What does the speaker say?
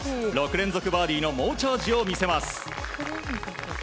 ６連続バーディーの猛チャージを見せます。